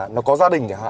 nó có gia đình nhỉ